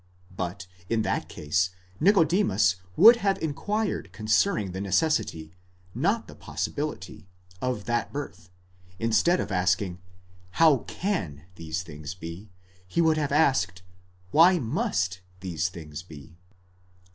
But, in that case, Nicodemus would have inquired concerning the necessity, not the possibility, of that birth ; instead of asking, How can these things be? he would have asked, Why mus?¢ these things be?